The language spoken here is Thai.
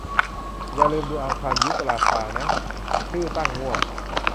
อย่าลืมดู 'อังคารยุปราคา' นะ - ชื่อตั้งมั่ว